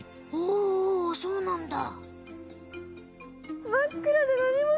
おおそうなんだ。